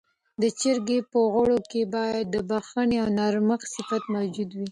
د جرګې په غړو کي باید د بخښنې او نرمښت صفت موجود وي.